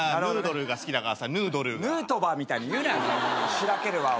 しらけるわ。